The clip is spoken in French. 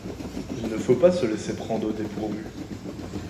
Il ne faut pas se laisser prendre au dépourvu.